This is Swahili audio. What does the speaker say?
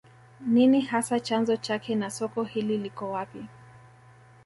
Nini hasa chanzo chake na soko hili liko wapi